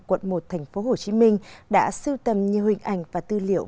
quận một tp hcm đã sưu tầm nhiều hình ảnh và tư liệu